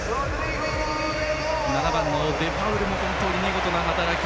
７番のデパウルも本当に見事な働き。